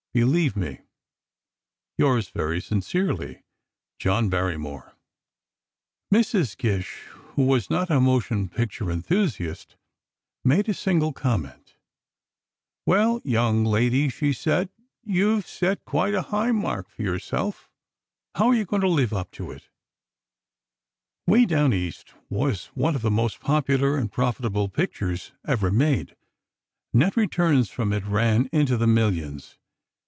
Believe me, Yours very sincerely, JOHN BARRYMORE Mrs. Gish, who was not a motion picture enthusiast, made a single comment: "Well, young lady," she said, "you've set quite a high mark for yourself. How are you going to live up to it?" [Illustration: THE RIVER SCENE IN "WAY DOWN EAST"] "Way Down East" was one of the most popular and profitable pictures ever made. Net returns from it ran into the millions.